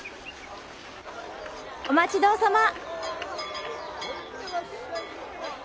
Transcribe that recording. お待ち遠さま！